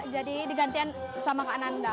jadi digantikan sama kak ananda